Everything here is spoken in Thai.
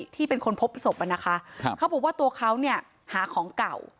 ที่เป็นคนพบศพอ่ะนะคะเขาบอกว่าตัวเขาเนี่ยหาของเก่า